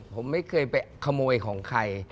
ผมไม่เคยไปขโมยของใคร